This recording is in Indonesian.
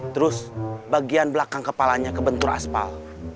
terus bagian belakang kepalanya kebentur aspal